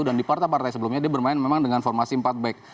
dan di partai partai sebelumnya dia bermain memang dengan formasi empat back